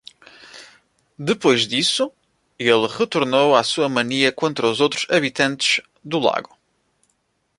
Depois disso, ele retornou à sua mania contra os outros habitantes do lago.